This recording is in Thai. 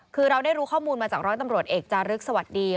คือเราได้รู้ข้อมูลมาจากร้อยตำรวจเอกจารึกสวัสดี